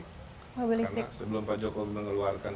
karena sebelum pak joko mengeluarkan